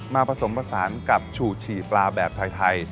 ผสมผสานกับฉู่ฉี่ปลาแบบไทย